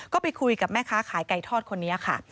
ก็ไปคุยกับแม่ค้าขายไก่ทอดคนนี้ค่ะ